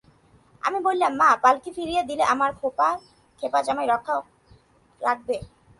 আমি বলিলাম, মা, পালকি ফিরিয়ে দিলে কি আমার খেপা জামাই রক্ষা রাখবে?